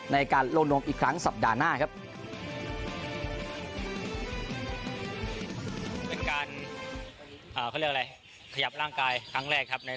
ในการลงนวมอีกครั้งสัปดาห์หน้าครับ